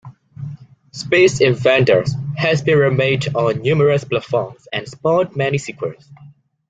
"Space Invaders" has been remade on numerous platforms and spawned many sequels.